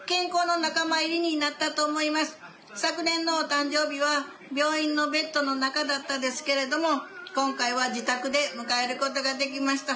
昨年のお誕生日は病院のベッドの中だったですが今回は自宅で迎えることができました。